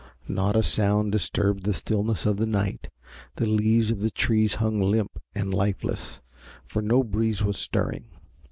Not a sound disturbed the stillness of the night. The leaves of the trees hung limp and lifeless, for no breeze was stirring.